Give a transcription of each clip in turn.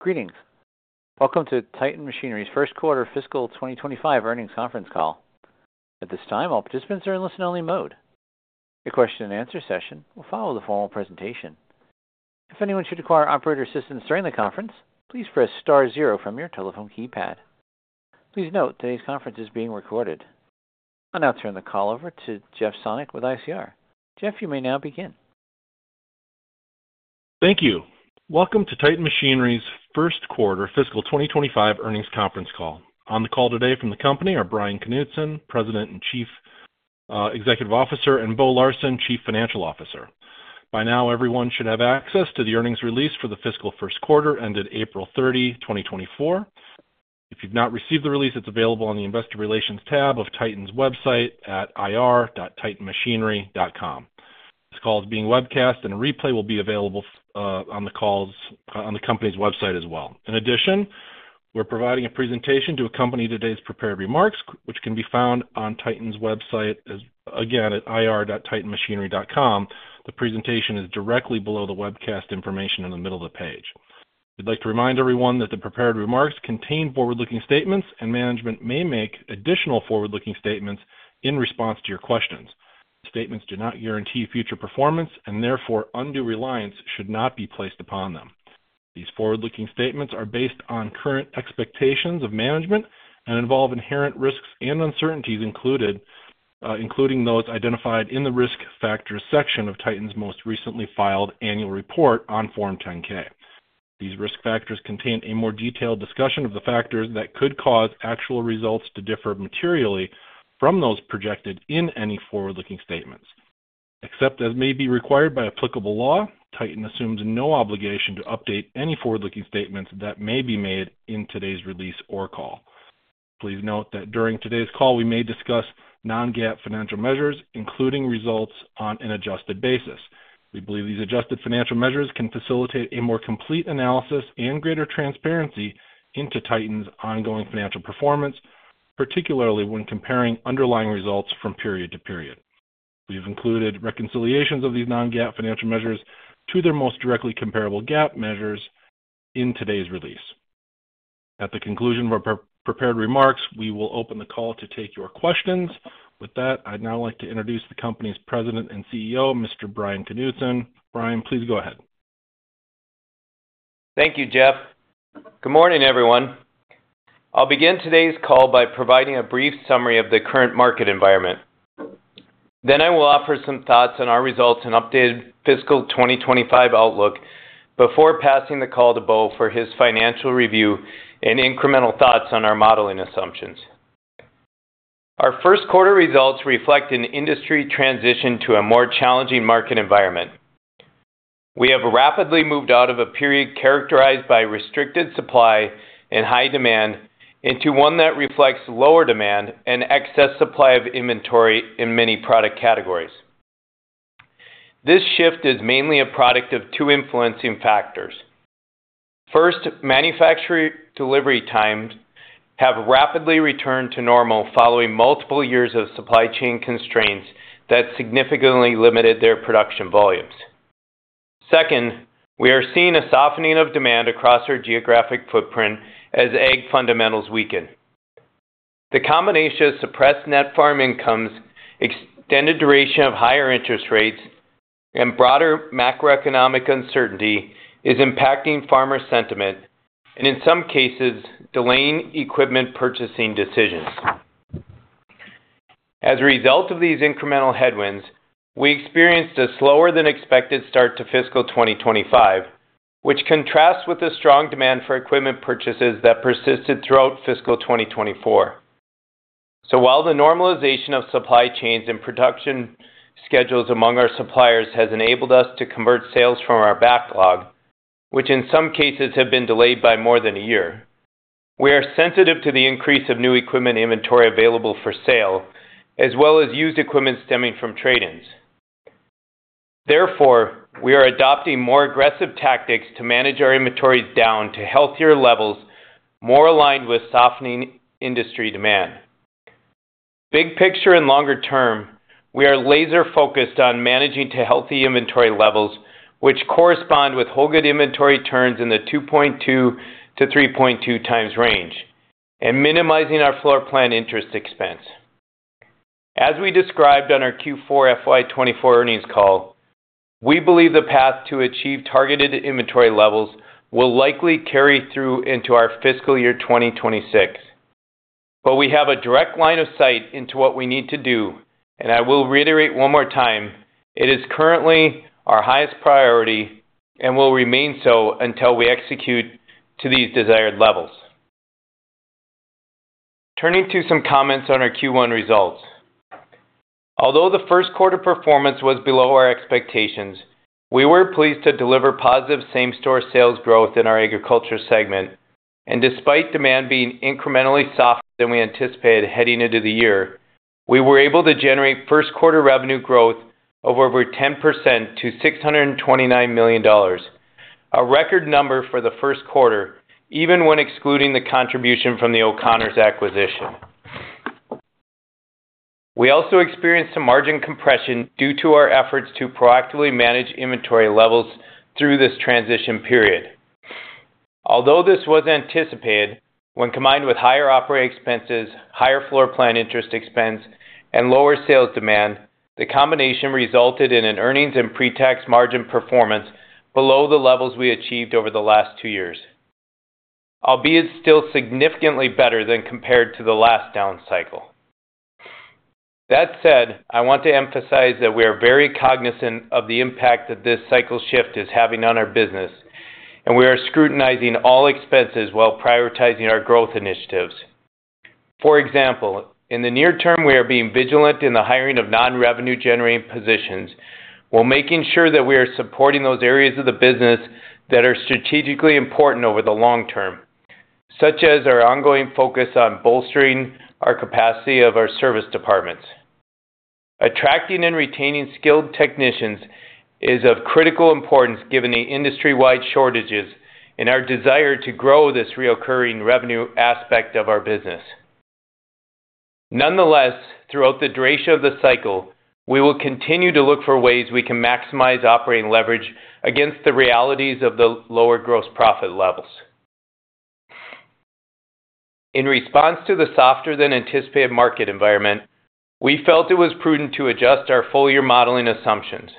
Greetings! Welcome to Titan Machinery's First Quarter Fiscal 2025 Earnings Conference Call. At this time, all participants are in listen-only mode. A question and answer session will follow the formal presentation. If anyone should require operator assistance during the conference, please press star zero from your telephone keypad. Please note, today's conference is being recorded. I'll now turn the call over to Jeff Sonnek with ICR. Jeff, you may now begin. Thank you. Welcome to Titan Machinery's First Quarter Fiscal 2025 Earnings Conference Call. On the call today from the company are Bryan Knutson, President and Chief Executive Officer, and Bo Larsen, Chief Financial Officer. By now, everyone should have access to the earnings release for the fiscal first quarter, ended April 30, 2024. If you've not received the release, it's available on the Investor Relations tab of Titan's website at ir.titanmachinery.com. This call is being webcast, and a replay will be available, on the calls, on the company's website as well. In addition, we're providing a presentation to accompany today's prepared remarks, which can be found on Titan's website, as again, at ir.titanmachinery.com. The presentation is directly below the webcast information in the middle of the page. We'd like to remind everyone that the prepared remarks contain forward-looking statements, and management may make additional forward-looking statements in response to your questions. The statements do not guarantee future performance, and therefore undue reliance should not be placed upon them. These forward-looking statements are based on current expectations of management and involve inherent risks and uncertainties, including those identified in the Risk Factors section of Titan's most recently filed annual report on Form 10-K. These risk factors contain a more detailed discussion of the factors that could cause actual results to differ materially from those projected in any forward-looking statements. Except as may be required by applicable law, Titan assumes no obligation to update any forward-looking statements that may be made in today's release or call. Please note that during today's call, we may discuss non-GAAP financial measures, including results on an adjusted basis. We believe these adjusted financial measures can facilitate a more complete analysis and greater transparency into Titan's ongoing financial performance, particularly when comparing underlying results from period to period. We've included reconciliations of these non-GAAP financial measures to their most directly comparable GAAP measures in today's release. At the conclusion of our prepared remarks, we will open the call to take your questions. With that, I'd now like to introduce the company's President and CEO, Mr. Bryan Knutson. Brian, please go ahead. Thank you, Jeff. Good morning, everyone. I'll begin today's call by providing a brief summary of the current market environment. Then I will offer some thoughts on our results and updated fiscal 2025 outlook before passing the call to Bo for his financial review and incremental thoughts on our modeling assumptions. Our first quarter results reflect an industry transition to a more challenging market environment. We have rapidly moved out of a period characterized by restricted supply and high demand into one that reflects lower demand and excess supply of inventory in many product categories. This shift is mainly a product of two influencing factors. First, manufacturer delivery times have rapidly returned to normal following multiple years of supply chain constraints that significantly limited their production volumes. Second, we are seeing a softening of demand across our geographic footprint as ag fundamentals weaken. The combination of suppressed net farm incomes, extended duration of higher interest rates, and broader macroeconomic uncertainty is impacting farmer sentiment and, in some cases, delaying equipment purchasing decisions. As a result of these incremental headwinds, we experienced a slower than expected start to fiscal 2025, which contrasts with the strong demand for equipment purchases that persisted throughout fiscal 2024. So while the normalization of supply chains and production schedules among our suppliers has enabled us to convert sales from our backlog, which in some cases have been delayed by more than a year, we are sensitive to the increase of new equipment inventory available for sale, as well as used equipment stemming from trade-ins. Therefore, we are adopting more aggressive tactics to manage our inventories down to healthier levels, more aligned with softening industry demand. Big picture and longer term, we are laser-focused on managing to healthy inventory levels, which correspond with whole good inventory turns in the 2.2-3.2x range and minimizing our floor plan interest expense. As we described on our Q4 FY 2024 earnings call, we believe the path to achieve targeted inventory levels will likely carry through into our fiscal year 2026. But we have a direct line of sight into what we need to do, and I will reiterate one more time, it is currently our highest priority and will remain so until we execute to these desired levels. Turning to some comments on our Q1 results. Although the first quarter performance was below our expectations, we were pleased to deliver positive same-store sales growth in our agriculture segment, and despite demand being incrementally softer than we anticipated heading into the year, we were able to generate first quarter revenue growth of over 10% to $629 million. A record number for the first quarter, even when excluding the contribution from the O'Connors acquisition.... We also experienced some margin compression due to our efforts to proactively manage inventory levels through this transition period. Although this was anticipated, when combined with higher operating expenses, higher floor plan interest expense, and lower sales demand, the combination resulted in an earnings and pre-tax margin performance below the levels we achieved over the last two years, albeit still significantly better than compared to the last down cycle. That said, I want to emphasize that we are very cognizant of the impact that this cycle shift is having on our business, and we are scrutinizing all expenses while prioritizing our growth initiatives. For example, in the near term, we are being vigilant in the hiring of non-revenue-generating positions, while making sure that we are supporting those areas of the business that are strategically important over the long term, such as our ongoing focus on bolstering our capacity of our service departments. Attracting and retaining skilled technicians is of critical importance, given the industry-wide shortages and our desire to grow this recurring revenue aspect of our business. Nonetheless, throughout the duration of the cycle, we will continue to look for ways we can maximize operating leverage against the realities of the lower gross profit levels. In response to the softer-than-anticipated market environment, we felt it was prudent to adjust our full-year modeling assumptions.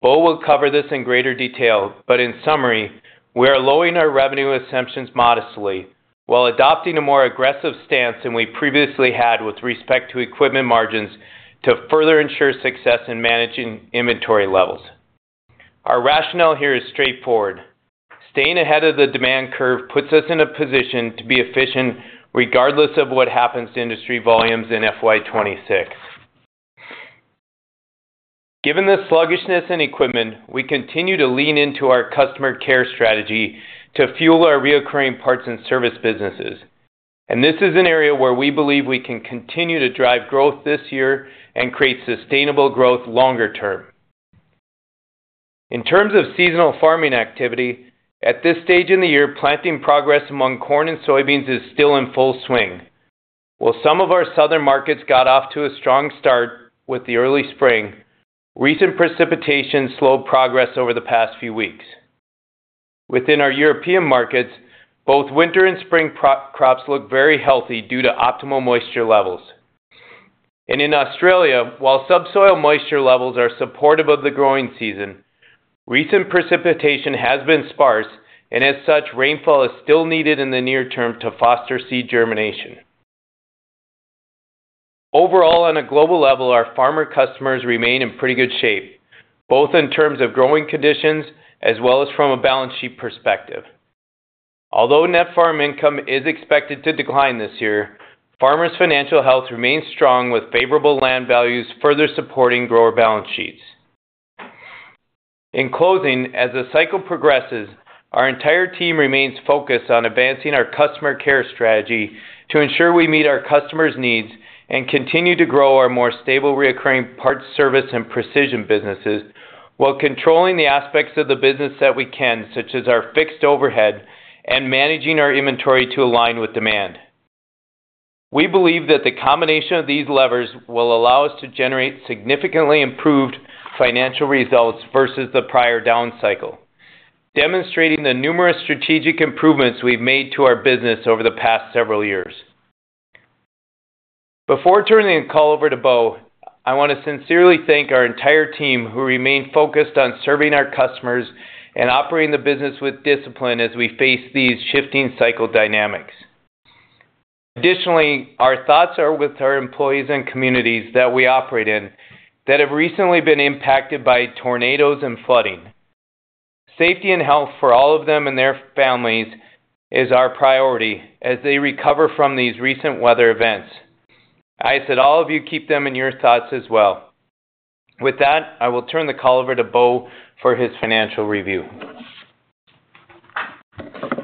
Bo will cover this in greater detail, but in summary, we are lowering our revenue assumptions modestly while adopting a more aggressive stance than we previously had with respect to equipment margins to further ensure success in managing inventory levels. Our rationale here is straightforward. Staying ahead of the demand curve puts us in a position to be efficient regardless of what happens to industry volumes in FY 2026. Given the sluggishness in equipment, we continue to lean into our customer care strategy to fuel our recurring parts and service businesses, and this is an area where we believe we can continue to drive growth this year and create sustainable growth longer term. In terms of seasonal farming activity, at this stage in the year, planting progress among corn and soybeans is still in full swing. While some of our southern markets got off to a strong start with the early spring, recent precipitation slowed progress over the past few weeks. Within our European markets, both winter and row crops look very healthy due to optimal moisture levels. In Australia, while subsoil moisture levels are supportive of the growing season, recent precipitation has been sparse, and as such, rainfall is still needed in the near term to foster seed germination. Overall, on a global level, our farmer customers remain in pretty good shape, both in terms of growing conditions as well as from a balance sheet perspective. Although net farm income is expected to decline this year, farmers' financial health remains strong, with favorable land values further supporting grower balance sheets. In closing, as the cycle progresses, our entire team remains focused on advancing our customer care strategy to ensure we meet our customers' needs and continue to grow our more stable, recurring parts, service, and precision businesses while controlling the aspects of the business that we can, such as our fixed overhead and managing our inventory to align with demand. We believe that the combination of these levers will allow us to generate significantly improved financial results versus the prior down cycle, demonstrating the numerous strategic improvements we've made to our business over the past several years. Before turning the call over to Bo, I want to sincerely thank our entire team, who remain focused on serving our customers and operating the business with discipline as we face these shifting cycle dynamics. Additionally, our thoughts are with our employees and communities that we operate in that have recently been impacted by tornadoes and flooding. Safety and health for all of them and their families is our priority as they recover from these recent weather events. I ask that all of you keep them in your thoughts as well. With that, I will turn the call over to Bo for his financial review.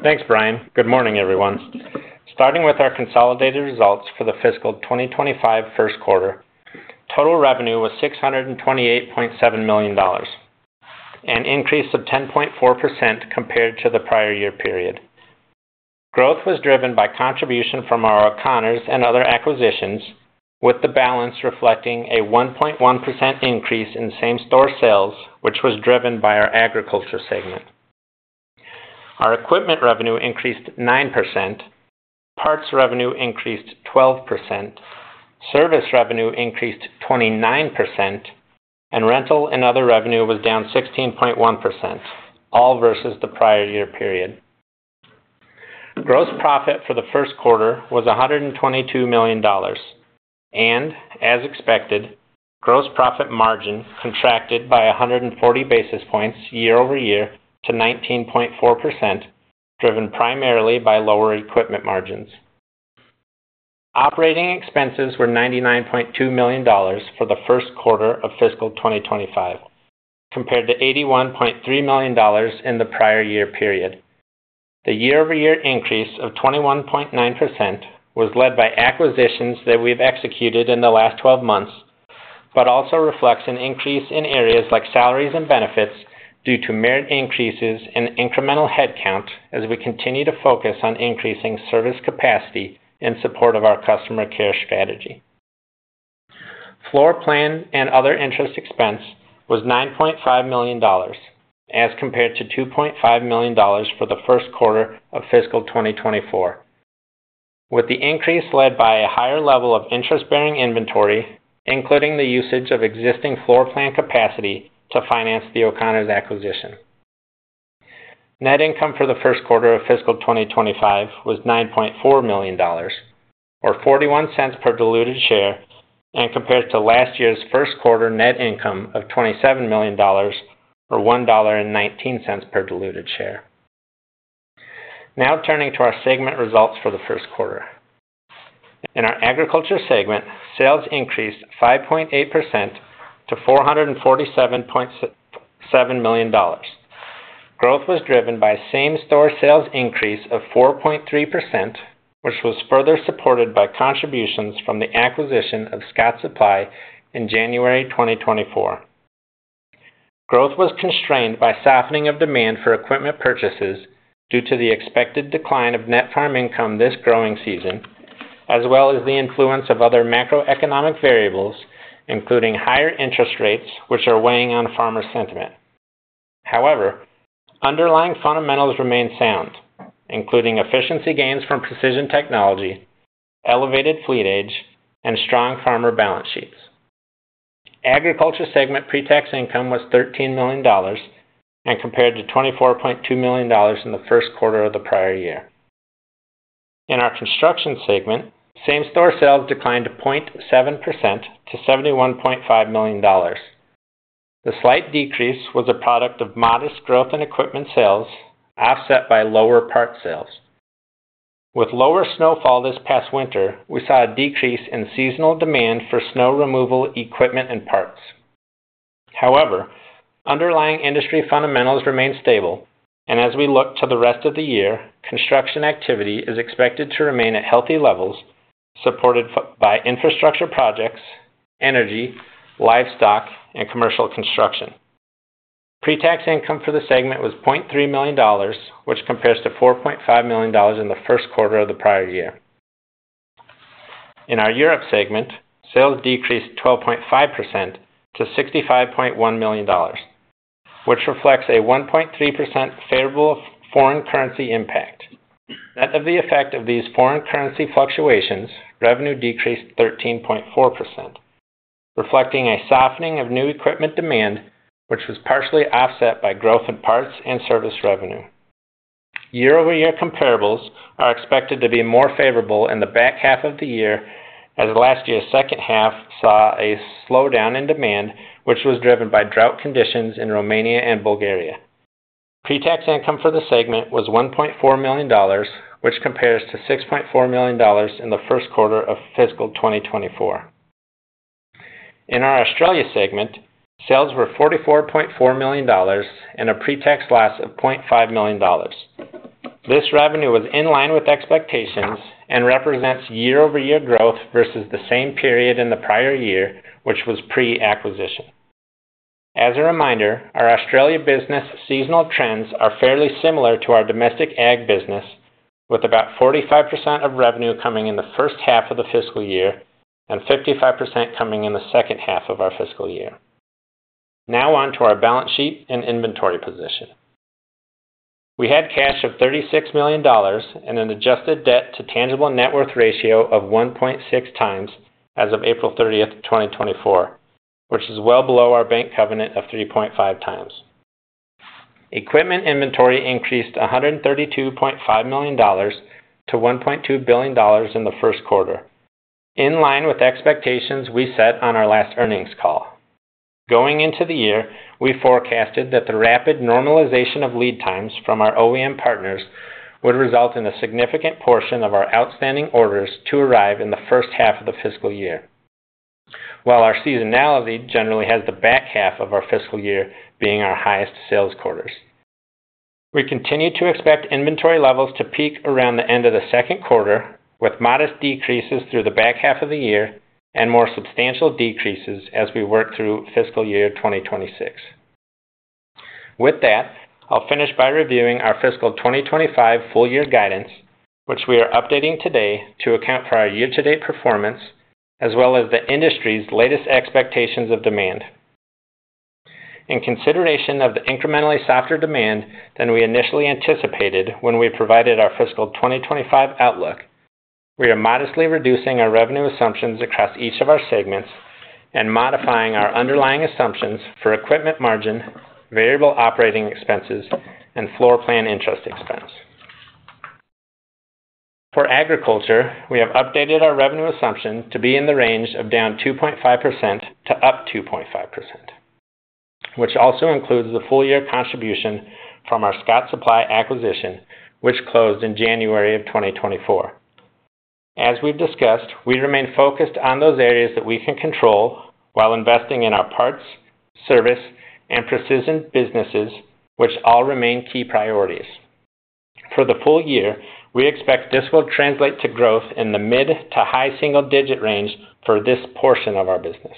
Thanks, Brian. Good morning, everyone. Starting with our consolidated results for the fiscal 2025 first quarter, total revenue was $628.7 million, an increase of 10.4% compared to the prior year period. Growth was driven by contribution from our O'Connors and other acquisitions, with the balance reflecting a 1.1% increase in same-store sales, which was driven by our agriculture segment. Our equipment revenue increased 9%, parts revenue increased 12%, service revenue increased 29%, and rental and other revenue was down 16.1%, all versus the prior year period. Gross profit for the first quarter was $122 million, and as expected, gross profit margin contracted by 140 basis points year-over-year to 19.4%, driven primarily by lower equipment margins. Operating expenses were $99.2 million for the first quarter of fiscal 2025, compared to $81.3 million in the prior year period. The year-over-year increase of 21.9% was led by acquisitions that we've executed in the last twelve months, but also reflects an increase in areas like salaries and benefits due to merit increases in incremental headcount as we continue to focus on increasing service capacity in support of our customer care strategy. Floor plan and other interest expense was $9.5 million, as compared to $2.5 million for the first quarter of fiscal 2024, with the increase led by a higher level of interest-bearing inventory, including the usage of existing floor plan capacity to finance the O'Connors acquisition. Net income for the first quarter of fiscal 2025 was $9.4 million, or $0.41 per diluted share, and compared to last year's first quarter net income of $27 million, or $1.19 per diluted share. Now turning to our segment results for the first quarter. In our agriculture segment, sales increased 5.8% to $447.7 million. Growth was driven by same-store sales increase of 4.3%, which was further supported by contributions from the acquisition of Scott Supply in January 2024. Growth was constrained by softening of demand for equipment purchases due to the expected decline of net farm income this growing season, as well as the influence of other macroeconomic variables, including higher interest rates, which are weighing on farmer sentiment. However, underlying fundamentals remain sound, including efficiency gains from precision technology, elevated fleet age, and strong farmer balance sheets. Agriculture segment pretax income was $13 million and compared to $24.2 million in the first quarter of the prior year. In our construction segment, same-store sales declined 0.7% to $71.5 million. The slight decrease was a product of modest growth in equipment sales, offset by lower parts sales. With lower snowfall this past winter, we saw a decrease in seasonal demand for snow removal equipment and parts. However, underlying industry fundamentals remain stable, and as we look to the rest of the year, construction activity is expected to remain at healthy levels, supported by infrastructure projects, energy, livestock, and commercial construction. Pretax income for the segment was $0.3 million, which compares to $4.5 million in the first quarter of the prior year. In our Europe segment, sales decreased 12.5% to $65.1 million, which reflects a 1.3% favorable foreign currency impact. Net of the effect of these foreign currency fluctuations, revenue decreased 13.4%, reflecting a softening of new equipment demand, which was partially offset by growth in parts and service revenue. Year-over-year comparables are expected to be more favorable in the back half of the year, as last year's second half saw a slowdown in demand, which was driven by drought conditions in Romania and Bulgaria. Pretax income for the segment was $1.4 million, which compares to $6.4 million in the first quarter of fiscal 2024. In our Australia segment, sales were $44.4 million and a pretax loss of $0.5 million. This revenue was in line with expectations and represents year-over-year growth versus the same period in the prior year, which was pre-acquisition. As a reminder, our Australia business seasonal trends are fairly similar to our domestic ag business, with about 45% of revenue coming in the first half of the fiscal year and 55% coming in the second half of our fiscal year. Now on to our balance sheet and inventory position. We had cash of $36 million and an adjusted debt to tangible net worth ratio of 1.6 times as of April 30th, 2024, which is well below our bank covenant of 3.5x. Equipment inventory increased $132.5 million to $1.2 billion in the first quarter. In line with expectations we set on our last earnings call. Going into the year, we forecasted that the rapid normalization of lead times from our OEM partners would result in a significant portion of our outstanding orders to arrive in the first half of the fiscal year. While our seasonality generally has the back half of our fiscal year being our highest sales quarters, we continue to expect inventory levels to peak around the end of the second quarter, with modest decreases through the back half of the year and more substantial decreases as we work through fiscal year 2026. With that, I'll finish by reviewing our fiscal 2025 full year guidance, which we are updating today to account for our year-to-date performance, as well as the industry's latest expectations of demand. In consideration of the incrementally softer demand than we initially anticipated when we provided our fiscal 2025 outlook, we are modestly reducing our revenue assumptions across each of our segments and modifying our underlying assumptions for equipment margin, variable operating expenses, and floor plan interest expense. For agriculture, we have updated our revenue assumption to be in the range of down 2.5% to up 2.5%, which also includes the full year contribution from our Scott Supply acquisition, which closed in January of 2024. As we've discussed, we remain focused on those areas that we can control while investing in our parts, service, and precision businesses, which all remain key priorities. For the full year, we expect this will translate to growth in the mid to high single digit range for this portion of our business.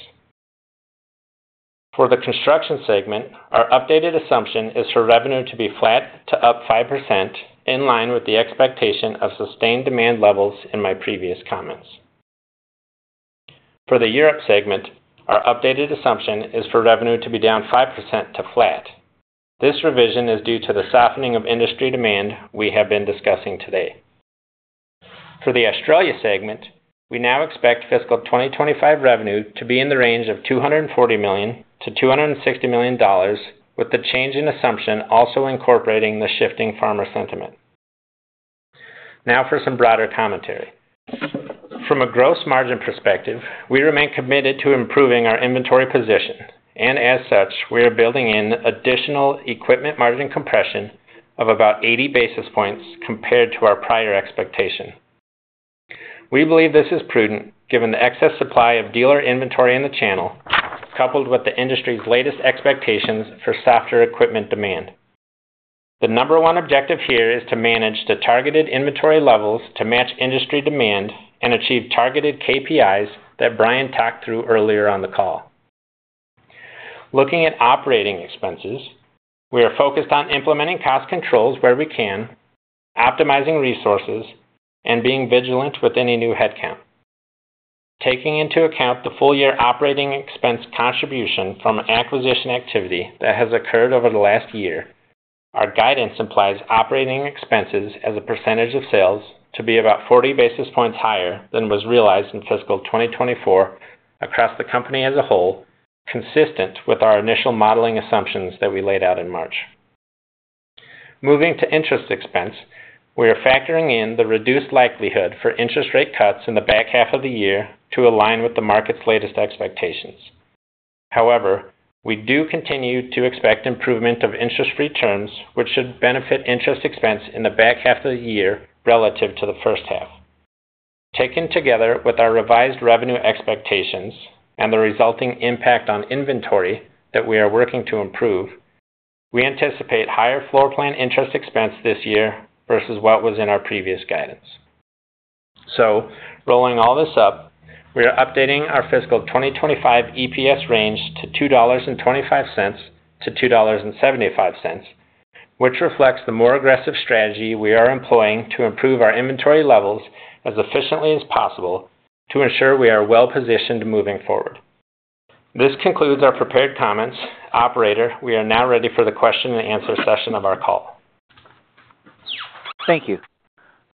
For the construction segment, our updated assumption is for revenue to be flat to up 5%, in line with the expectation of sustained demand levels in my previous comments. For the Europe segment, our updated assumption is for revenue to be down 5% to flat. This revision is due to the softening of industry demand we have been discussing today. For the Australia segment, we now expect fiscal 2025 revenue to be in the range of $240 million-$260 million, with the change in assumption also incorporating the shifting farmer sentiment. Now for some broader commentary. From a gross margin perspective, we remain committed to improving our inventory position, and as such, we are building in additional equipment margin compression of about 80 basis points compared to our prior expectation. We believe this is prudent, given the excess supply of dealer inventory in the channel, coupled with the industry's latest expectations for softer equipment demand. The number one objective here is to manage the targeted inventory levels to match industry demand and achieve targeted KPIs that Bryan talked through earlier on the call. Looking at operating expenses, we are focused on implementing cost controls where we can, optimizing resources, and being vigilant with any new headcount. Taking into account the full year operating expense contribution from acquisition activity that has occurred over the last year, our guidance implies operating expenses as a percentage of sales to be about 40 basis points higher than was realized in fiscal 2024 across the company as a whole, consistent with our initial modeling assumptions that we laid out in March. Moving to interest expense, we are factoring in the reduced likelihood for interest rate cuts in the back half of the year to align with the market's latest expectations. However, we do continue to expect improvement of interest-free terms, which should benefit interest expense in the back half of the year relative to the first half. Taken together with our revised revenue expectations and the resulting impact on inventory that we are working to improve, we anticipate higher floor plan interest expense this year versus what was in our previous guidance. So rolling all this up, we are updating our fiscal 2025 EPS range to $2.25-$2.75, which reflects the more aggressive strategy we are employing to improve our inventory levels as efficiently as possible to ensure we are well-positioned moving forward. This concludes our prepared comments. Operator, we are now ready for the question and answer session of our call. Thank you.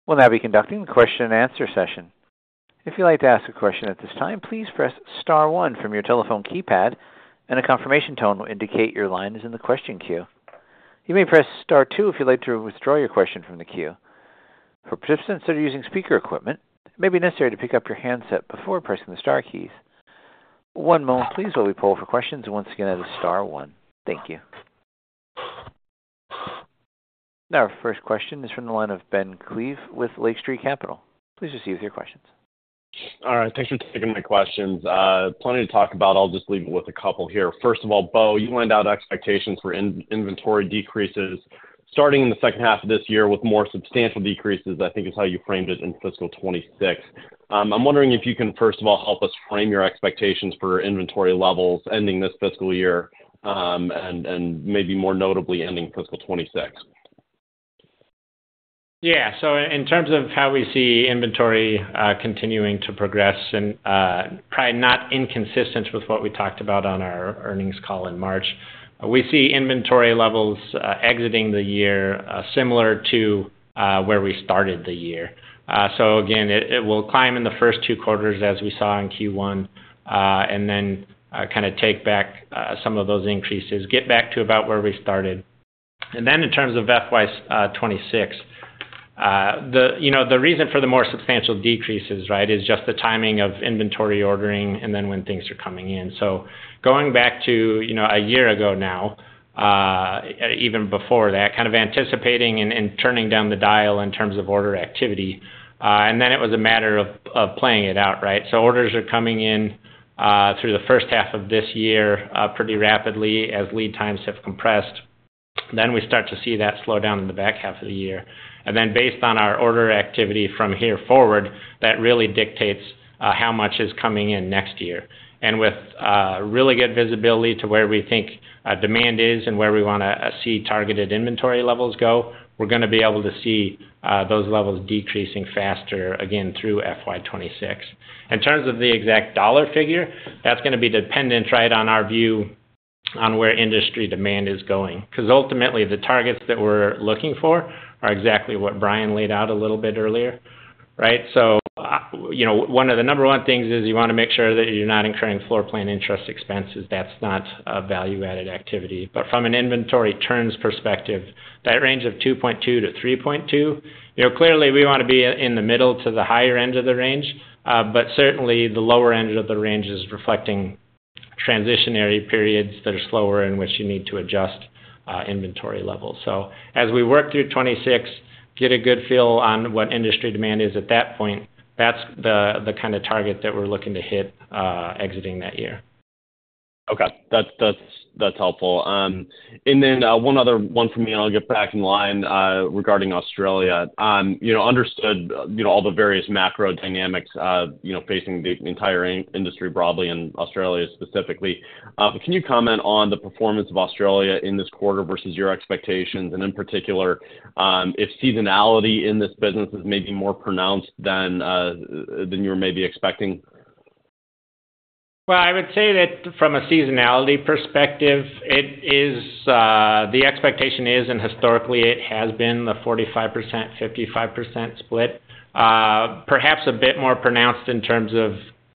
We'll now be conducting the question and answer session. If you'd like to ask a question at this time, please press star one from your telephone keypad, and a confirmation tone will indicate your line is in the question queue. You may press star two if you'd like to withdraw your question from the queue. For participants that are using speaker equipment, it may be necessary to pick up your handset before pressing the star keys. One moment please, while we pull for questions. Once again, that is star one. Thank you. Now, our first question is from the line of Ben Klieve with Lake Street Capital. Please proceed with your questions. All right, thanks for taking my questions. Plenty to talk about. I'll just leave it with a couple here. First of all, Bo, you laid out expectations for inventory decreases starting in the second half of this year, with more substantial decreases, I think is how you framed it in fiscal 2026. I'm wondering if you can, first of all, help us frame your expectations for inventory levels ending this fiscal year, and maybe more notably, ending fiscal 2026. Yeah. So in terms of how we see inventory continuing to progress and probably not inconsistent with what we talked about on our earnings call in March, we see inventory levels exiting the year similar to where we started the year. So again, it will climb in the first two quarters, as we saw in Q1, and then kind of take back some of those increases, get back to about where we started. And then in terms of FY 26, you know, the reason for the more substantial decreases, right, is just the timing of inventory ordering and then when things are coming in. So going back to, you know, a year ago now, even before that, kind of anticipating and turning down the dial in terms of order activity, and then it was a matter of playing it out, right? So orders are coming in through the first half of this year pretty rapidly as lead times have compressed. Then we start to see that slow down in the back half of the year. And then based on our order activity from here forward, that really dictates how much is coming in next year. And with really good visibility to where we think demand is and where we wanna see targeted inventory levels go, we're gonna be able to see those levels decreasing faster again through FY 2026. In terms of the exact dollar figure, that's gonna be dependent right on our view on where industry demand is going, because ultimately, the targets that we're looking for are exactly what Bryan laid out a little bit earlier, right? So, you know, one of the number one things is you want to make sure that you're not incurring floor plan interest expenses. That's not a value-added activity. But from an inventory turns perspective, that range of 2.2-3.2, you know, clearly we want to be in the middle to the higher end of the range. But certainly the lower end of the range is reflecting transitionary periods that are slower, in which you need to adjust inventory levels. As we work through 2026, get a good feel on what industry demand is at that point, that's the kind of target that we're looking to hit, exiting that year. ... Okay, that's helpful. And then, one other one for me, and I'll get back in line, regarding Australia. You know, understood, you know, all the various macro dynamics, you know, facing the entire industry broadly, and Australia specifically. But can you comment on the performance of Australia in this quarter versus your expectations, and in particular, if seasonality in this business is maybe more pronounced than you were maybe expecting? Well, I would say that from a seasonality perspective, it is, the expectation is, and historically it has been, the 45%-55% split. Perhaps a bit more pronounced in terms of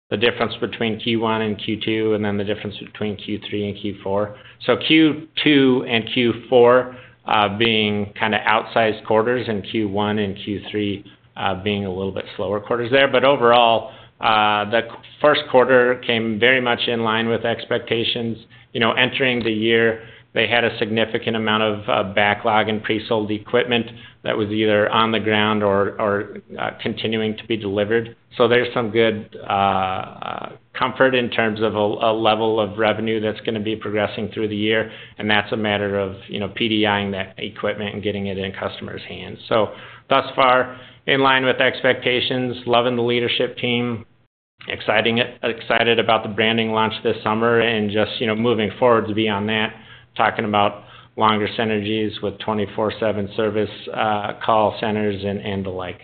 the difference between Q1 and Q2, and then the difference between Q3 and Q4. So Q2 and Q4, being kind of outsized quarters, and Q1 and Q3, being a little bit slower quarters there. But overall, the first quarter came very much in line with expectations. You know, entering the year, they had a significant amount of backlog and pre-sold equipment that was either on the ground or continuing to be delivered. So there's some good comfort in terms of a level of revenue that's gonna be progressing through the year, and that's a matter of, you know, PDI-ing that equipment and getting it in customers' hands. So thus far, in line with expectations, loving the leadership team, excited about the branding launch this summer and just, you know, moving forward to beyond that, talking about longer synergies with 24/7 service, call centers and, and the like.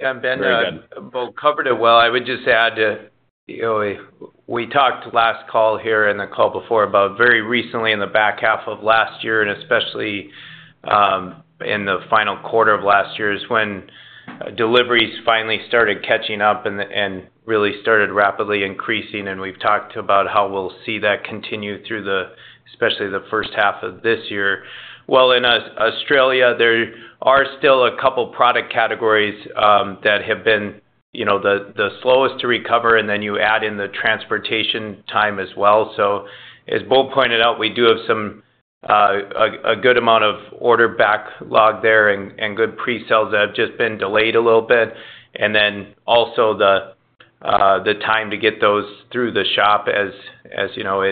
Yeah, and Ben- Very good. Bo covered it well. I would just add to, you know, we talked last call here and the call before about very recently in the back half of last year, and especially in the final quarter of last year, is when deliveries finally started catching up and really started rapidly increasing. And we've talked about how we'll see that continue through the, especially the first half of this year. Well, in Australia, there are still a couple product categories that have been, you know, the slowest to recover, and then you add in the transportation time as well. So as Bo pointed out, we do have some, a good amount of order backlog there and good pre-sales that have just been delayed a little bit. And then also the time to get those through the shop, as you know,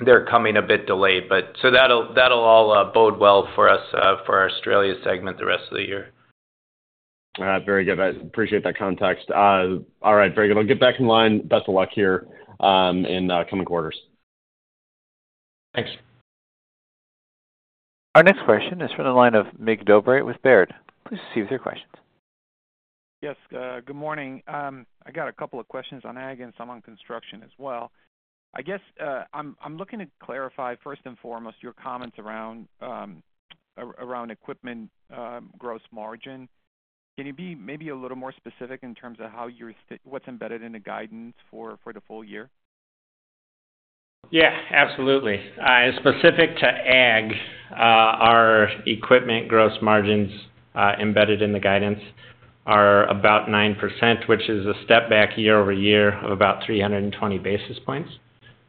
they're coming a bit delayed. But so that'll all bode well for us for our Australia segment the rest of the year. Very good. I appreciate that context. All right, very good. I'll get back in line. Best of luck here, in coming quarters. Thanks. Our next question is from the line of Mig Dobre with Baird. Please proceed with your questions. Yes, good morning. I got a couple of questions on ag and some on construction as well. I guess, I'm looking to clarify, first and foremost, your comments around equipment gross margin. Can you be maybe a little more specific in terms of how you're estimating what's embedded in the guidance for the full year? Yeah, absolutely. Specific to ag, our equipment gross margins embedded in the guidance are about 9%, which is a step back year-over-year of about 320 basis points.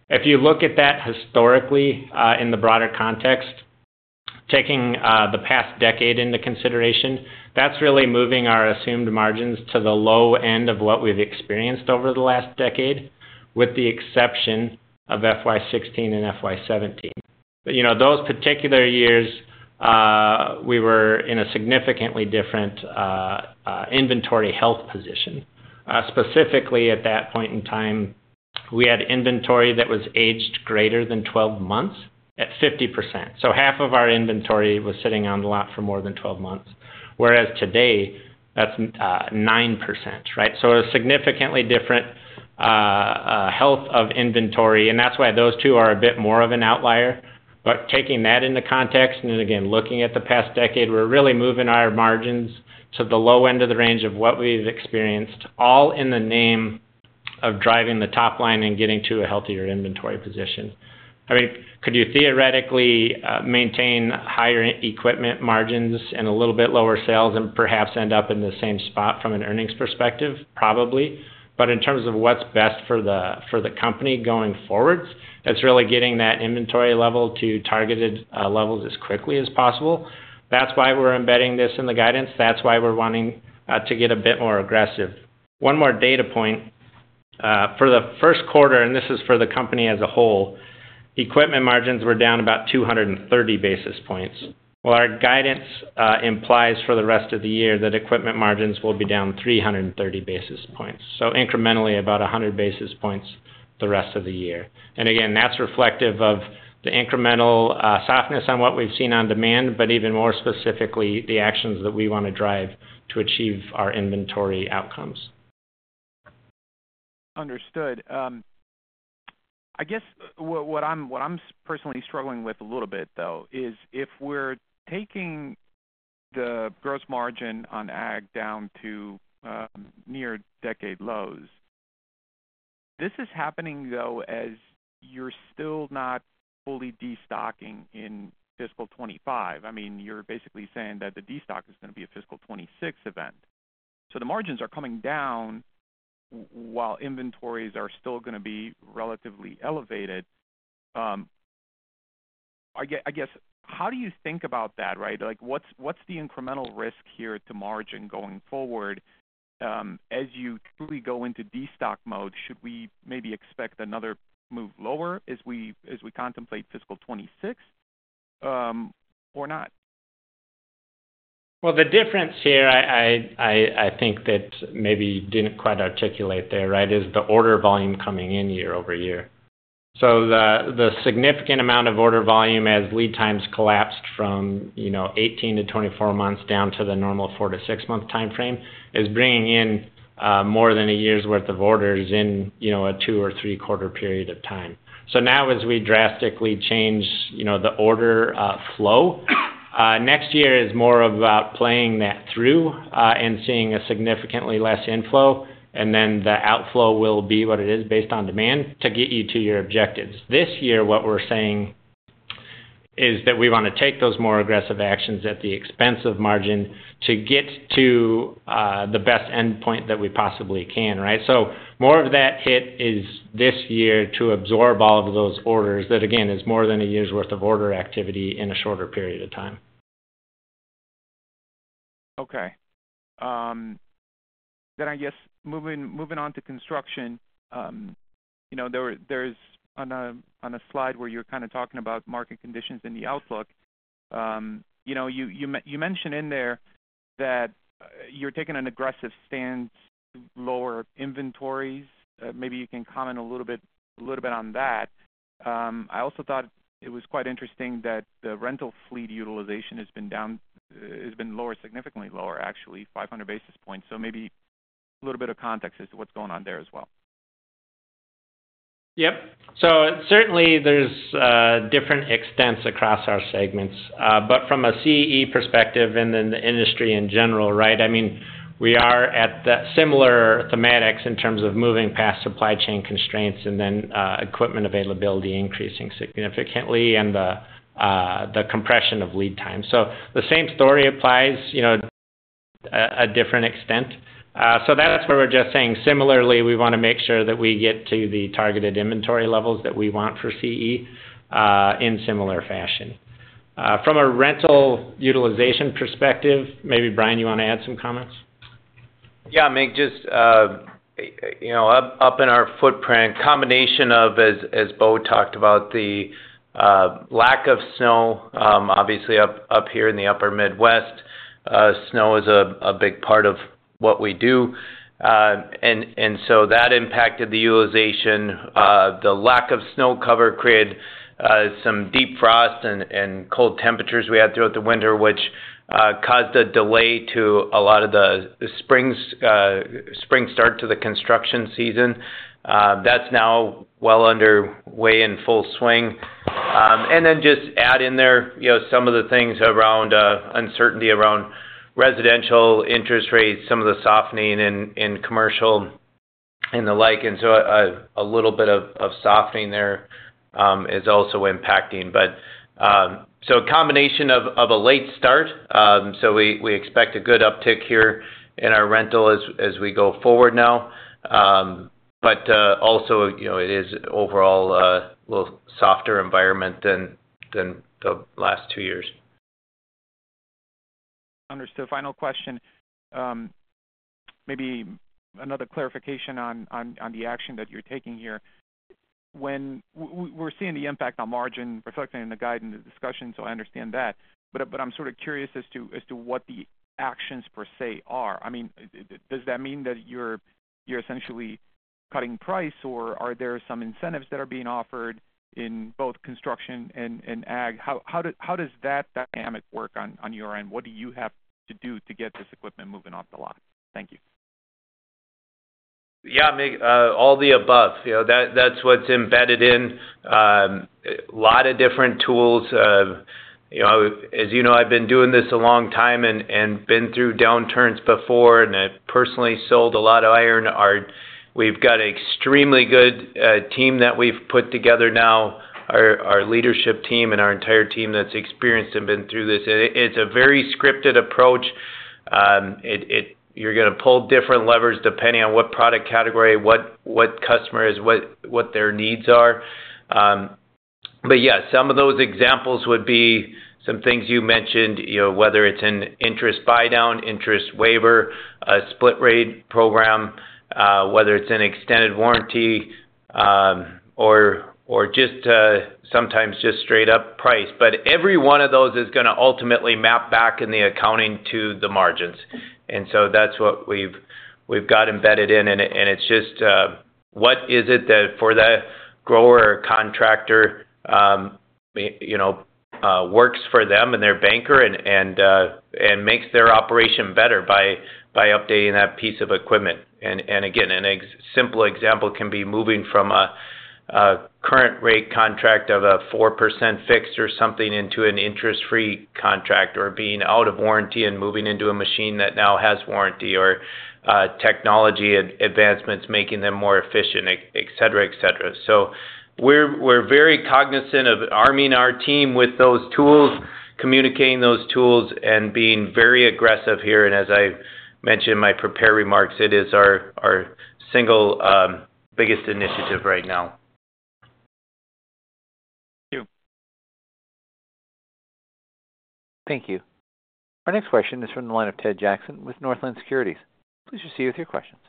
If you look at that historically, in the broader context, taking the past decade into consideration, that's really moving our assumed margins to the low end of what we've experienced over the last decade, with the exception of FY 2016 and FY 2017. But, you know, those particular years, we were in a significantly different inventory health position. Specifically at that point in time, we had inventory that was aged greater than 12 months at 50%. So half of our inventory was sitting on the lot for more than 12 months, whereas today, that's 9%, right? So a significantly different health of inventory, and that's why those two are a bit more of an outlier. But taking that into context, and again, looking at the past decade, we're really moving our margins to the low end of the range of what we've experienced, all in the name of driving the top line and getting to a healthier inventory position. I mean, could you theoretically maintain higher equipment margins and a little bit lower sales and perhaps end up in the same spot from an earnings perspective? Probably. But in terms of what's best for the, for the company going forward, that's really getting that inventory level to targeted levels as quickly as possible. That's why we're embedding this in the guidance. That's why we're wanting to get a bit more aggressive. One more data point for the first quarter, and this is for the company as a whole, equipment margins were down about 230 basis points, while our guidance implies for the rest of the year that equipment margins will be down 330 basis points. So incrementally, about 100 basis points the rest of the year. And again, that's reflective of the incremental softness on what we've seen on demand, but even more specifically, the actions that we want to drive to achieve our inventory outcomes. Understood. I guess what I'm personally struggling with a little bit, though, is if we're taking the gross margin on ag down to near decade lows. This is happening though, as you're still not fully destocking in fiscal 2025. I mean, you're basically saying that the destock is gonna be a fiscal 2026 event. So the margins are coming down while inventories are still gonna be relatively elevated. I guess, how do you think about that, right? Like, what's the incremental risk here to margin going forward, as you truly go into destock mode? Should we maybe expect another move lower as we contemplate fiscal 2026, or not? Well, the difference here, I think that maybe you didn't quite articulate there, right, is the order volume coming in year-over-year. So the significant amount of order volume as lead times collapsed from, you know, 18 to 24 months down to the normal four-six-month time frame, is bringing in more than a year's worth of orders in, you know, a two or three quarter period of time. So now as we drastically change, you know, the order flow next year is more about playing that through and seeing a significantly less inflow, and then the outflow will be what it is based on demand to get you to your objectives. This year, what we're saying is that we wanna take those more aggressive actions at the expense of margin to get to the best endpoint that we possibly can, right? So more of that hit is this year to absorb all of those orders. That again, is more than a year's worth of order activity in a shorter period of time. Okay. Then I guess moving on to construction, you know, there's on a slide where you're kind of talking about market conditions in the outlook. You know, you mention in there that you're taking an aggressive stance to lower inventories. Maybe you can comment a little bit on that. I also thought it was quite interesting that the rental fleet utilization has been down, has been lower, significantly lower, actually, 500 basis points. So maybe a little bit of context as to what's going on there as well. Yep. So certainly there's different extents across our segments. But from a CE perspective and then the industry in general, right, I mean, we are at the similar thematics in terms of moving past supply chain constraints and then equipment availability increasing significantly and the compression of lead time. So the same story applies, you know, a different extent. So that's where we're just saying similarly, we wanna make sure that we get to the targeted inventory levels that we want for CE, in similar fashion. From a rental utilization perspective, maybe, Bryan, you want to add some comments? Yeah, I mean, just, you know, up in our footprint, combination of as Bo talked about, the lack of snow, obviously up here in the upper Midwest, snow is a big part of what we do. And so that impacted the utilization. The lack of snow cover created some deep frost and cold temperatures we had throughout the winter, which caused a delay to a lot of the spring's spring start to the construction season. That's now well underway in full swing. And then just add in there, you know, some of the things around uncertainty around residential interest rates, some of the softening in commercial and the like. And so a little bit of softening there is also impacting. So a combination of a late start. So we expect a good uptick here in our rental as we go forward now. But also, you know, it is overall a little softer environment than the last two years. Understood. Final question. Maybe another clarification on the action that you're taking here. When we're seeing the impact on margin reflecting in the guidance, the discussion, so I understand that, but I'm sort of curious as to what the actions per se are. I mean, does that mean that you're essentially cutting price, or are there some incentives that are being offered in both construction and ag? How does that dynamic work on your end? What do you have to do to get this equipment moving off the lot? Thank you. Yeah, I mean, all the above. You know, that, that's what's embedded in a lot of different tools. You know, as you know, I've been doing this a long time and, and been through downturns before, and I've personally sold a lot of iron. We've got extremely good team that we've put together now, our, our leadership team and our entire team that's experienced and been through this. It, it's a very scripted approach. You're gonna pull different levers depending on what product category, what customer is, what their needs are. But yeah, some of those examples would be some things you mentioned, you know, whether it's an interest buydown, interest waiver, a split rate program, whether it's an extended warranty, or just sometimes just straight up price. But every one of those is gonna ultimately map back in the accounting to the margins. And so that's what we've got embedded in, and it's just what is it that for that grower or contractor, you know, works for them and their banker and, and, and makes their operation better by updating that piece of equipment? And again, a simple example can be moving from a current rate contract of a 4% fixed or something into an interest-free contract, or being out of warranty and moving into a machine that now has warranty, or technology advancements making them more efficient, et cetera, et cetera. So we're very cognizant of arming our team with those tools, communicating those tools, and being very aggressive here, and as I mentioned in my prepared remarks, it is our single biggest initiative right now. Thank you. Thank you. Our next question is from the line of Ted Jackson with Northland Securities. Please proceed with your questions.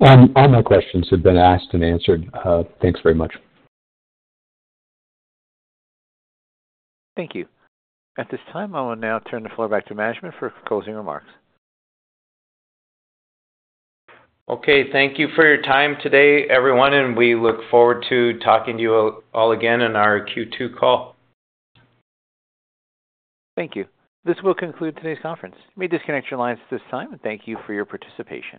All my questions have been asked and answered. Thanks very much. Thank you. At this time, I will now turn the floor back to management for closing remarks. Okay. Thank you for your time today, everyone, and we look forward to talking to you all again on our Q2 call. Thank you. This will conclude today's conference. You may disconnect your lines at this time, and thank you for your participation.